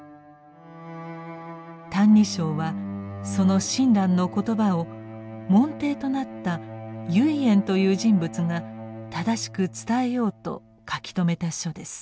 「歎異抄」はその親鸞の言葉を門弟となった唯円という人物が正しく伝えようと書き留めた書です。